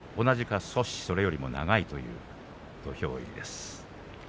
それと同じかそれよりも少し長いという土俵入りです。